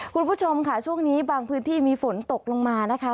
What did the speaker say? คุณผู้ชมค่ะช่วงนี้บางพื้นที่มีฝนตกลงมานะคะ